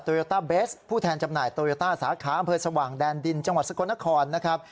โยต้าเบสผู้แทนจำหน่ายโตโยต้าสาขาอำเภอสว่างแดนดินจังหวัดสกลนครนะครับ